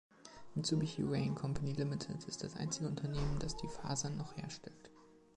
Mitsubishi Rayon Company Limited ist das einzige Unternehmen, das die Fasern noch herstellt.